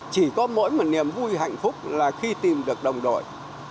chỉ có mỗi một niềm vui hạnh phúc là khi tìm được đồng đội